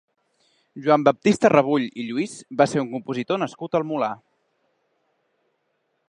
Joan-Baptista Rebull i Lluís va ser un compositor nascut al Molar.